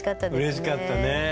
うれしかったね。